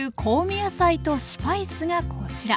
野菜とスパイスがこちら。